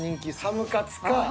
ハムカツか。